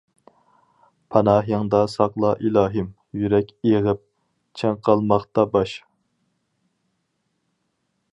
پاناھىڭدا ساقلا ئىلاھىم، يۈرەك ئېغىپ، چىڭقالماقتا باش.